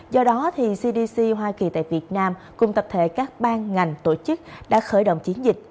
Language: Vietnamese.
do đó cdc hoa kỳ tại việt nam cùng tập thể các ban ngành tổ chức đã khởi động chiến dịch